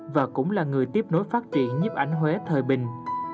và cũng là người tiếp nối phát triển nhếp ảnh huế thời bình